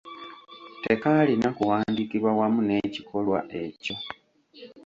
Tekaalina kuwandiikibwa wamu n'ekikolwa ekyo.